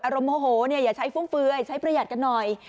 อารมณ์โหโหเนี่ยอย่าใช้ฟื้มฟื้ยใช้ประหยัดกันหน่อย